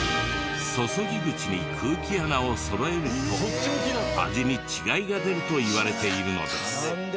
注ぎ口に空気穴をそろえると味に違いが出るといわれているのです。